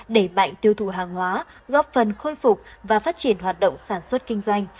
đẩy mạnh tiêu thụ hàng hóa góp phần khôi phục và phát triển hoạt động sản xuất kinh doanh